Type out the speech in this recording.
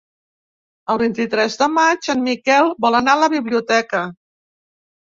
El vint-i-tres de maig en Miquel vol anar a la biblioteca.